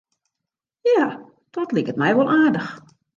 Ja, dat liket my wol aardich.